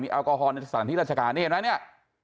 มีแอลกอฮอล์ในสถานที่ราชกาลนี่เห็นไหม